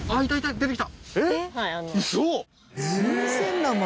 出てきた！